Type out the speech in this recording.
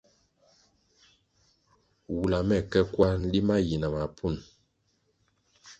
Wula me ke kwar nlima yi na mapun.